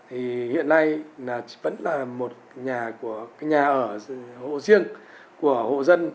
thì hiện nay là vẫn là một nhà ở hộ riêng của hộ dân